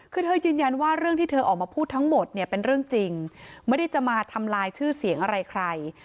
คือเธอยืนยันว่าเรื่องที่เธอออกมาพูดทั้งหมดเนี่ยเป็นเรื่องจริงไม่ได้จะมาทำลายชื่อเสียงอะไรใคร